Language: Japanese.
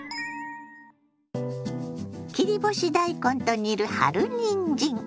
切り干し大根と煮る春にんじん。